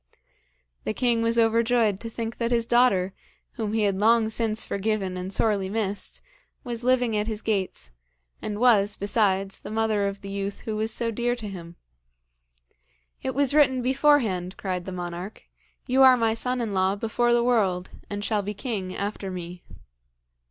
The king was overjoyed to think that his daughter, whom he had long since forgiven and sorely missed, was living at his gates, and was, besides, the mother of the youth who was so dear to him. 'It was written beforehand,' cried the monarch. 'You are my son in law before the world, and shall be king after me.'